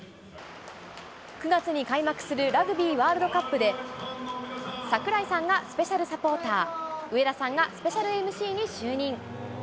９月に開幕するラグビーワールドカップで、櫻井さんがスペシャルサポーター、上田さんがスペシャルＭＣに就任。